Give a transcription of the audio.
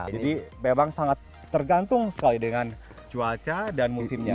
jadi memang sangat tergantung sekali dengan cuaca dan musimnya